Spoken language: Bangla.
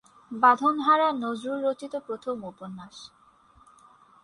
বাঁধন হারা নজরুল রচিত প্রথম উপন্যাস।